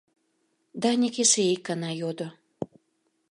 — Даник эше ик гана йодо.